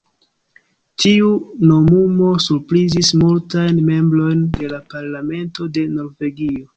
Tiu nomumo surprizis multajn membrojn de la Parlamento de Norvegio.